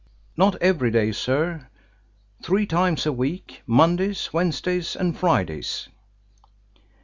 "Not every day, sir. Three times a week: Mondays, Wednesdays, and Fridays."